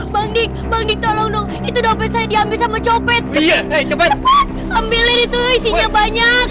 bang dik kikolong itu dapat saya diambil sama copet ambil itu isinya banyak